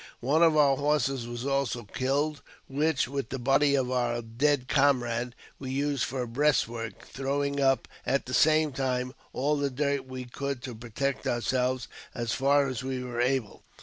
One of our horses was also killed, which, with the body of our dead comrade, we used for a breast work, throwing up, at the Same time, all the dirt we could to protect ourselves as far as we were able.